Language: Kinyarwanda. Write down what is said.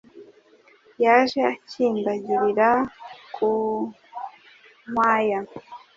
Yaje akimbagirira ku nkwaya,